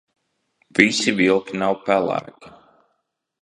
Visi vilki nav pelēki.